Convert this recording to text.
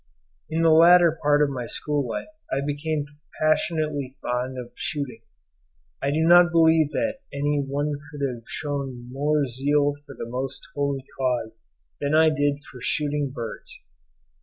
In the latter part of my school life I became passionately fond of shooting; I do not believe that any one could have shown more zeal for the most holy cause than I did for shooting birds.